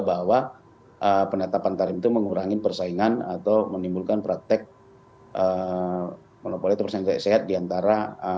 bahwa penetapan tarif itu mengurangi persaingan atau menimbulkan praktek monopoli persaingan sehat diantara